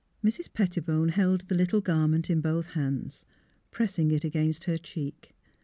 Mrs. Pettibone held the little garment in both hands, pressing it against her cheek.